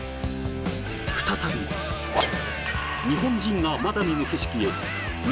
再び日本人がまだ見ぬ景色へ道